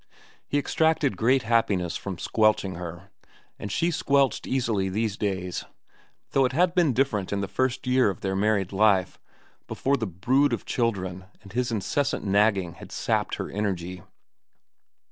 He extracted great happiness from squelching her, and she squelched easily these days, though it had been different in the first years of their married life, before the brood of children and his incessant nagging had sapped her energy.